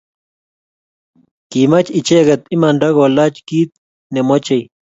kimach icheget imanda kolaach kiit nemochei